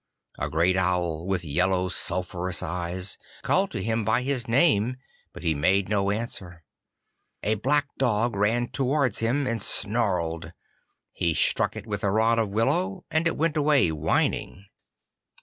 A great owl, with yellow sulphurous eyes, called to him by his name, but he made it no answer. A black dog ran towards him and snarled. He struck it with a rod of willow, and it went away whining.